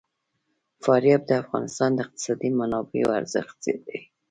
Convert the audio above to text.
فاریاب د افغانستان د اقتصادي منابعو ارزښت زیاتوي.